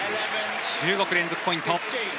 中国、連続ポイント。